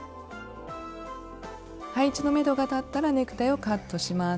配置のめどが立ったらネクタイをカットします。